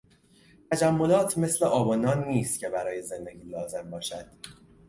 تجملات مثل آب و نان نیست که برای زندگی لازم باشد.